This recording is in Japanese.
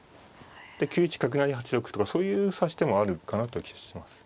で９一角成８六歩とかそういう指し手もあるかなという気がします。